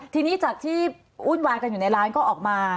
ทีนี้จากที่วุ่นวายกันอยู่ในร้านก็ออกมา